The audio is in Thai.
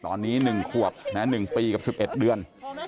ตอนนี้๑ขวบ๑ปีกับ๑๑เดือน